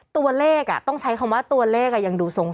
ตัวเลขต้องใช้คำว่าตัวเลขยังดูทรง